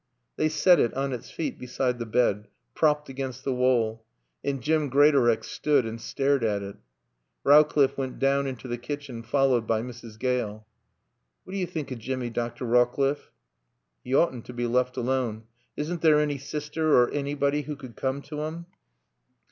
They set it on its feet beside the bed, propped against the wall. And Jim Greatorex stood and stared at it. Rowcliffe went down into the kitchen, followed by Mrs. Gale. "What d'yo think o' Jimmy, Dr. Rawcliffe?" "He oughtn't to be left alone. Isn't there any sister or anybody who could come to him?"